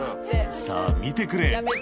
「さぁ見てくれ」